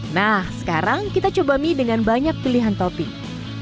nah sekarang kita coba mie dengan banyak pilihan topping